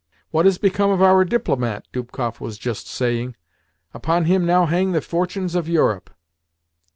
"What has become of our DIPLOMAT?" Dubkoff was just saying. "Upon him now hang the fortunes of Europe."